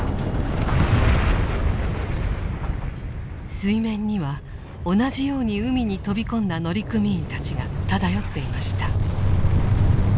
水面には同じように海に飛び込んだ乗組員たちが漂っていました。